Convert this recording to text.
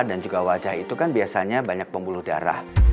dan juga wajah itu kan biasanya banyak pembuluh darah